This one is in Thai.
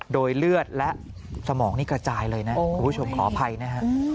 โดยเลือดและสมองนี่กระจายเลยนะคุณผู้ชมขออภัยนะฮะ